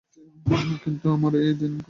কিন্তু আমার জন্য এই দিন অন্য এক ছুটির দিন না।